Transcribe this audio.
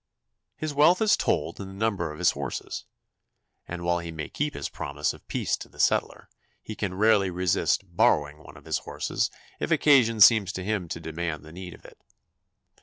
His wealth is told in the number of his horses, and while he may keep his promise of peace to the settler, he can rarely resist "borrowing" one of his horses if occasion seems to him to demand the need of it.